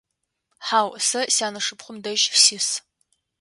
Хьау, сэ сянэшыпхъум дэжь сис.